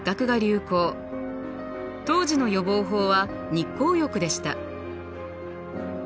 当時の予防法は日光浴でした。